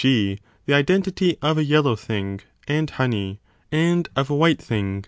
g. the 30 identity of a yellow thing and honey and of a white thing 1 i68 b 9.